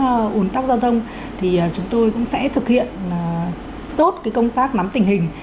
với các tình huống ủn tắc giao thông thì chúng tôi cũng sẽ thực hiện tốt cái công tác nắm tình hình